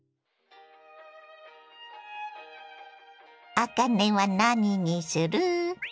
あかねは何にする？